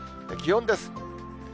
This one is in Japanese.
気温です。